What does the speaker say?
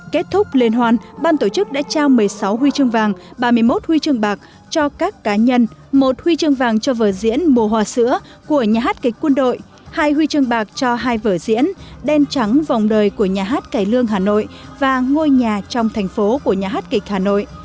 kết thúc liên hoan ban tổ chức đã trao một mươi sáu huy chương vàng ba mươi một huy chương bạc cho các cá nhân một huy chương vàng cho vở diễn mùa hòa sữa của nhà hát kịch quân đội hai huy chương bạc cho hai vở diễn đen trắng vòng đời của nhà hát cải lương hà nội và ngôi nhà trong thành phố của nhà hát kịch hà nội